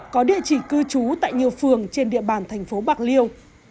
có địa chỉ cư trú tại nhiều phường trên địa bàn thành phố bạc liêu